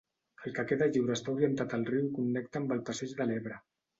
El que queda lliure està orientat al riu i connecta amb el Passeig de l'Ebre.